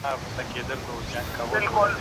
مجرمینو ته د قانون له مخې سزا ورکول کیده.